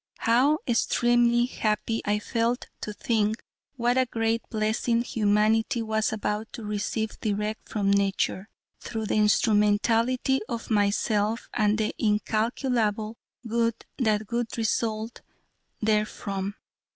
How extremely happy I felt to think what a great blessing humanity was about to receive direct from nature, through the instrumentality of myself and the incalculable good that would result therefrom.